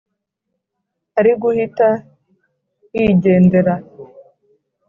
ari guhita yigendera.